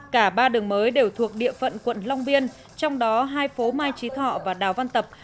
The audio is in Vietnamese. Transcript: cả ba đường mới đều thuộc địa phận quận long biên trong đó hai phố mai trí thọ và đào văn tập